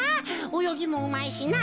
およぎもうまいしな。